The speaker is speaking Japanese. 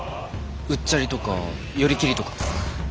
うっちゃりとか寄り切りとか。